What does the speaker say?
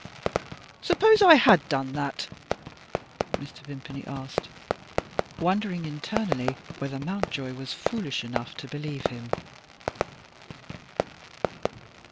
Suppose I had done that?" Mr. Vimpany asked, wondering internally whether Mountjoy was foolish enough to believe him.